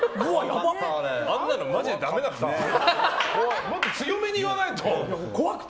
あんなのマジでだめだって。